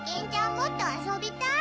もっとあそびたい。